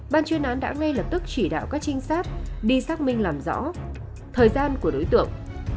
ban chuyên án đã ngay lập tức chỉ đạo các trinh sát đi xác minh làm rõ thời gian của đối tượng